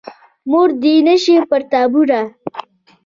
مور دې نه شي پر تا بورې.